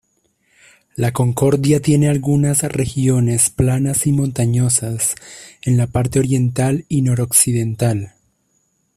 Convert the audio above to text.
La Concordia tiene algunas regiones planas y montañosas en la parte oriental y noroccidental.